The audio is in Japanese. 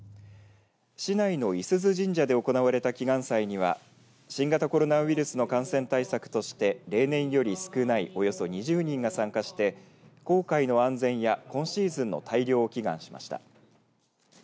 市内の五十鈴神社で行われた祈願祭には新型コロナウイルスの感染対策として例年より少ないおよそ２０人が参加して航海の安全や今シーズンの大漁を祈願しました。